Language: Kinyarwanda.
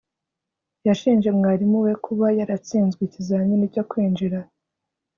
yashinje mwarimu we kuba yaratsinzwe ikizamini cyo kwinjira